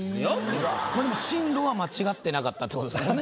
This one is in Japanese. まあでも進路は間違ってなかったってことですもんね。